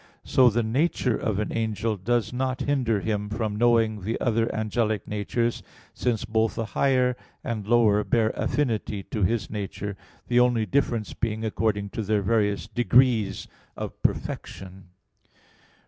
So the nature of an angel does not hinder him from knowing the other angelic natures, since both the higher and lower bear affinity to his nature, the only difference being according to their various degrees of perfection.